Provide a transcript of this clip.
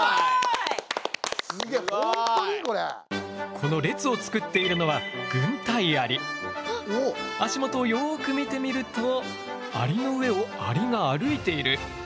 この列をつくっているのは足元をよく見てみるとアリの上をアリが歩いている。